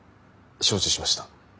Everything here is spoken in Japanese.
承知しました。